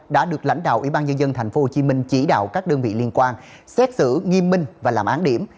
đã được lãnh đạo ủy ban nhân dân tp hcm chỉ đạo các đơn vị liên quan xét xử nghiêm minh và làm án điểm